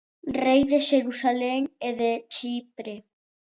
Rei de Xerusalén e de Chipre.